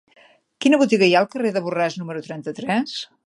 Quina botiga hi ha al carrer de Borràs número trenta-tres?